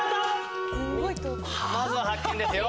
まずは発見ですよ